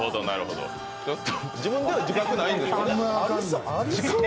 自分では自覚ないんですよね？